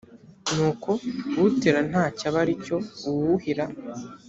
nuko utera nta cyo aba ari cyo uwuhira